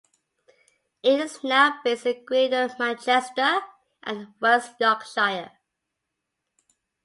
It is now based in Greater Manchester and West Yorkshire.